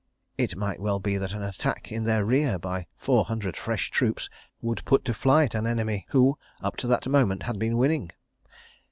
It might well be that an attack in their rear by four hundred fresh troops would put to flight an enemy who, up to that moment, had been winning.